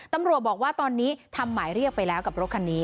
ตำรวจบอกว่าตอนนี้ทำหมายเรียกไปแล้วกับรถคันนี้